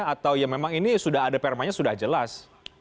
atau ya memang ini sudah ada permanya sudah jelas